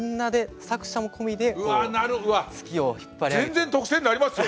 全然特選なりますよ。